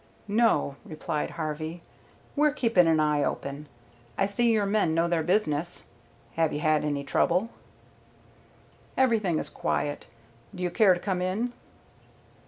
"No," replied Harvey. "We're keeping an eye open. I see your men know their business. Have you had any trouble?" "Everything is quiet. Do you care to come in?"